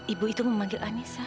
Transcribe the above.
ibu itu memanggil anissa